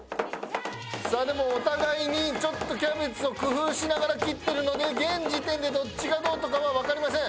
さあでもお互いにちょっとキャベツを工夫しながら切ってるので現時点でどっちがどうとかはわかりません。